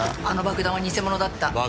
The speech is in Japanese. あの爆弾は偽物だった。